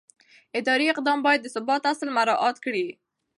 اداري اقدام باید د ثبات اصل مراعت کړي.